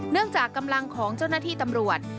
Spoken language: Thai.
จากกำลังของเจ้าหน้าที่ตำรวจ